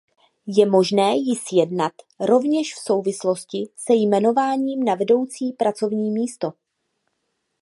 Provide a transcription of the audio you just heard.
Je možné ji sjednat rovněž v souvislosti se jmenováním na vedoucí pracovní místo.